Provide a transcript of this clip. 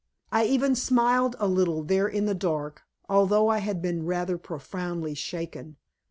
I even smiled a little, there in the dark, although I had been rather profoundly shaken.